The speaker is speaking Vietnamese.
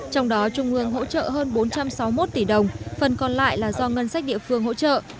trong đó trung ương hỗ trợ hơn bốn trăm sáu mươi một tỷ đồng phần còn lại là do ngân sách địa phương hỗ trợ